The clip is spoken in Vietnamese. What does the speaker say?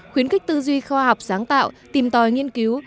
khuyến khích tư duy khoa học sáng tạo tìm tòi nghiên cứu